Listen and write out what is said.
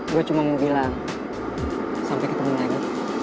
gue cuma mau bilang sampai ketemu lagi